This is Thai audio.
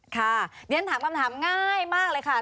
ค่ะเรียนถามคำถามง่ายมากเลยค่ะ